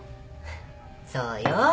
そうよ。